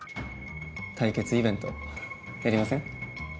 対決イベントやりません？